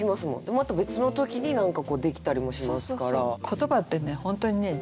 また別の時に何かこうできたりもしますから。